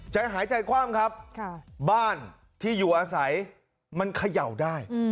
ใจหายใจคว่ำครับบ้านที่อยู่อาศัยมันเขย่าได้